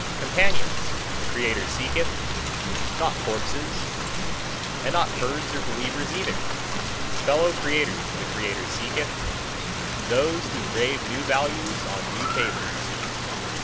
Companions, the creator seeketh, not corpses and not herds or believers either. Fellow creators the creator seeketh those who grave new values on new tables.